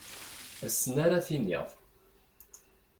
Ass-n ara tiniḍ.